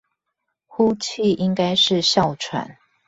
呼氣應該是哮喘